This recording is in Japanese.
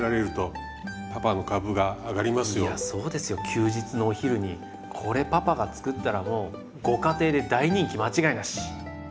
休日のお昼にこれパパが作ったらもうご家庭で大人気間違いなし！